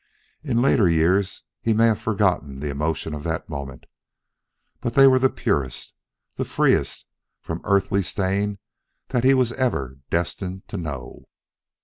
In later years he may have forgotten the emotions of that moment, but they were the purest, the freest from earthly stain that he was ever destined to know.